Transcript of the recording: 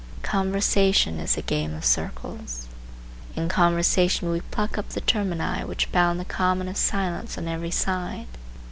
Conversation is a game of circles. In conversation we pluck up the termini which bound the common of silence on every side.